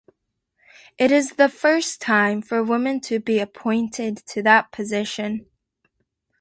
It is the first time for women to be appointed to that position.